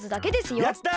やった！